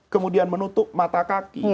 kemudian menutup mata kaki